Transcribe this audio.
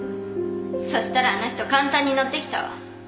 そしたらあの人簡単に乗ってきたわ